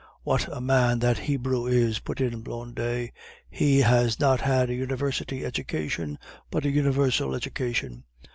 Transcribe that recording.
'" "What a man that Hebrew is," put in Blondet; "he has not had a university education, but a universal education.